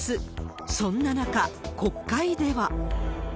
そんな中、国会では。